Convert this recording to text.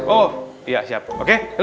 oh iya siap oke